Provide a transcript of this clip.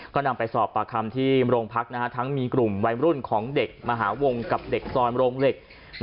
ก็นำไปสอบปากคำที่โรงพักทั้งมีกลุ่มวัยรุ่นของเด็กมหาวงกับเด็กซอยโรงเหล็ก